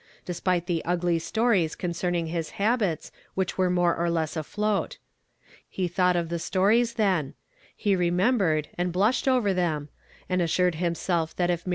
esp, te the ugly stories concerning his l,a,,il Inch were ,„ore or less afloat. He thought of he s ones the,,; he re, ne, nhered. and „L o«, then,, a„,l assured hin.self that if Mi